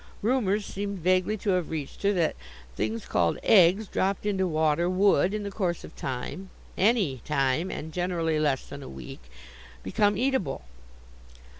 Rumors seemed vaguely to have reached her that things called eggs dropped into water would, in the course of time any time, and generally less than a week become eatable.